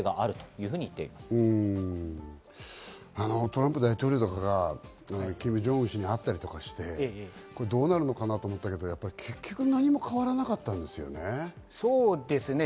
トランプ大統領とかがキム・ジョンウン氏に会ったりとかしてどうなるのかなと思ったけど、結局何も変わらなかったんですよね。